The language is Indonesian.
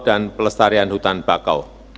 dan pelestarian hutan bakau